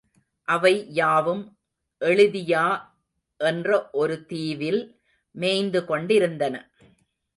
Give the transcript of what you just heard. அவை யாவும் எளிதியா என்ற ஒரு தீவில் மேய்ந்துகொண்டிருந்தன.